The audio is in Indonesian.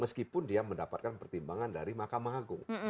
meskipun dia mendapatkan pertimbangan dari mahkamah agung